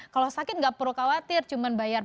kalau sakit nggak perlu khawatir cuma bayar